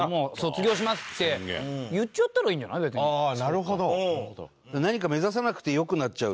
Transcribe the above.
なるほど。